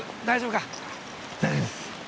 大丈夫です。